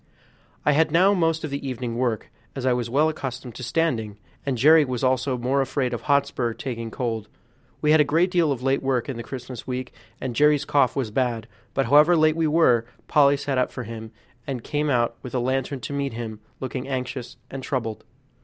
I had now most of the evening work, as I was well accustomed to standing, and Jerry was also more afraid of Hotspur taking cold. We had a great deal of late work in the Christmas week, and Jerry's cough was bad; but however late we were, Polly sat up for him, and came out with a lantern to meet him, looking anxious and troubled.